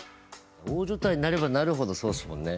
大所帯になればなるほどそうっすもんね。